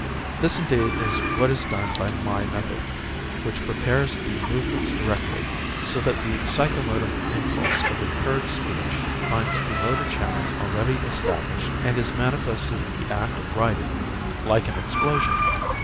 This indeed is what is done by my method, which prepares the movements directly; so that the psycho motor impulse of the heard speech finds the motor channels already established, and is manifested in the act of writing, like an explosion.